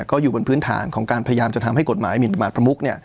ก็อยู่บนพื้นฐานของการพยายามจะทำให้กฎหมายหมินประมาทประมุก